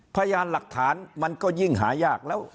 พยานหลักฐานมันก็ยิ่งหายากแล้ว